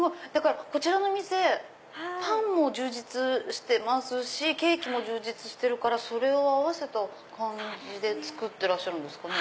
こちらのお店パンも充実してるしケーキも充実してるからそれを合わせた感じで作ってらっしゃるんですかね。